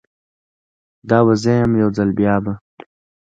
دا به زه یم، یوځل بیا به